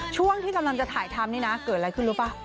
ช่วงที่กำลังจะถ่ายทำนี่นะเกิดอะไรขึ้นรู้ป่ะ